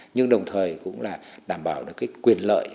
nhưng đồng thời cũng là đảm bảo được cái quyền lợi